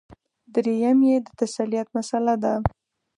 درېیم یې د تثلیث مسله ده.